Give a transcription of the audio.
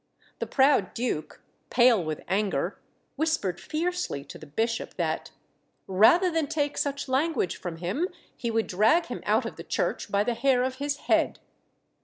The proud duke, pale with anger, whispered fiercely to the bishop that, "rather than take such language from him, he would drag him out of the church by the hair of his head."